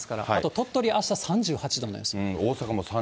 鳥取、あした３８度の予想。